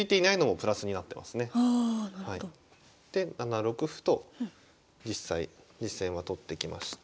で７六歩と実際実戦は取ってきました。